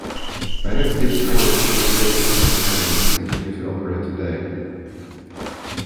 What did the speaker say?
Many of these private "segregation academies" continue to operate today.